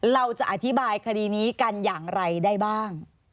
เราจะอธิบายคดีนี้กันอย่างไรได้บ้าง